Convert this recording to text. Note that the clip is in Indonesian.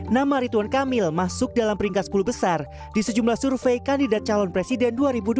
nama rituan kamil masuk dalam peringkat sepuluh besar di sejumlah survei kandidat calon presiden dua ribu dua puluh